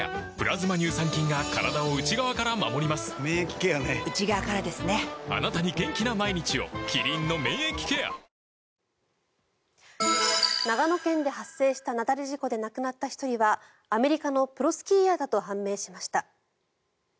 警視庁は今後、容疑が固まり次第長野県で発生した雪崩事故で亡くなった１人はアメリカのプロスキーヤーだと判明しました。